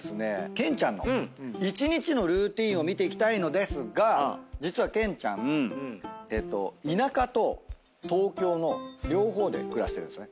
ケンちゃんの一日のルーティンを見ていきたいのですが実はケンちゃん田舎と東京の両方で暮らしてるんですね。